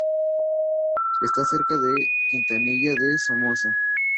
Está cerca de Quintanilla de Somoza.